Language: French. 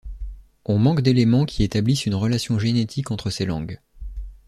On manque d'éléments qui établissent une relation génétique entre ces langues.